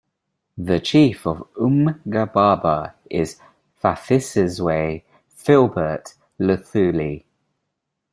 The Chief of uMgababa is Phathisizwe Philbert Luthuli.